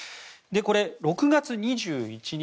これ、６月２１日